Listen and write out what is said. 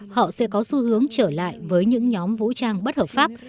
họ sẽ có xu hướng trở lại với những nhóm vũ trang bất hợp pháp